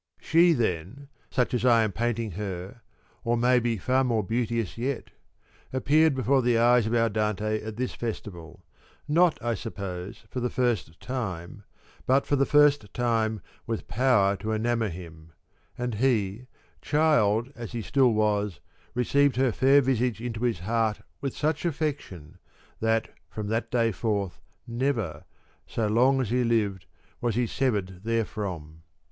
She then, such as I am painting her, or may be far more beau teous yet, appeared before the eyes of our Dante, at this festival, not I suppose for the first time, but for the first time with power to enamour him ; and he, child i6 as he still was, received her fair visage into his heart with such affection, that, from that day forth, never, so long as he lived, was he severed therefrom.